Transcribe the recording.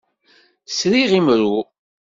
Sriɣ imru.